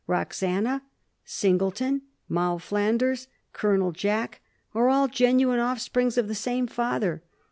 'Roxana,' * Singleton,' *Moll Flan ders,' * Colonel Jack,' are all genuine offsprings of the same father.